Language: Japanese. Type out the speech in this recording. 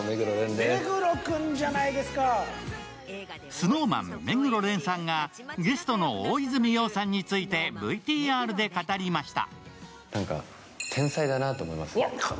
ＳｎｏｗＭａｎ・目黒蓮さんがゲストの大泉洋さんについてＶＴＲで語りました。